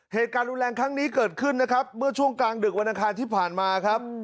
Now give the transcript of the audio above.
เหตุการณ์รุนแรงครั้งนี้เกิดขึ้นนะครับเมื่อช่วงกลางดึกวันอังคารที่ผ่านมาครับ